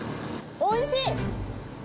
おいしい！